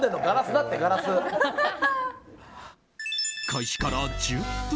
開始から１０分。